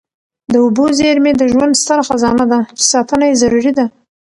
د اوبو زیرمې د ژوند ستره خزانه ده چي ساتنه یې ضروري ده.